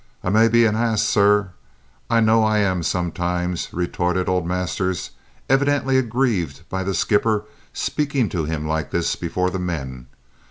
"I may be a hass, sir; I know I am sometimes," retorted old Masters, evidently aggrieved by the skipper speaking to him like this before the men.